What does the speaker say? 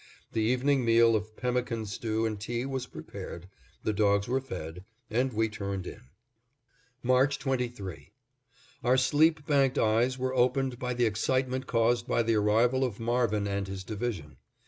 The evening meal of pemmican stew and tea was prepared, the dogs were fed, and we turned in. March 23: Our sleep banked eyes were opened by the excitement caused by the arrival of Marvin and his division.